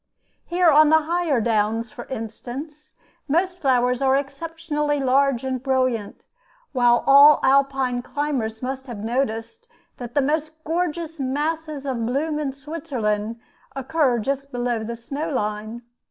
Here on the higher downs, for instance, most flowers are exceptionally large and brilliant; while all Alpine climbers must have noticed that the most gorgeous masses of bloom in Switzerland occur just below the snow line.